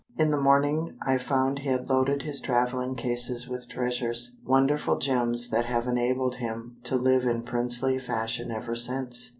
In the morning I found he had loaded his traveling cases with treasures wonderful gems that have enabled him to live in princely fashion ever since."